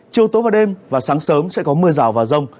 chiều tối và đêm và sáng sớm sẽ có mưa rào và rông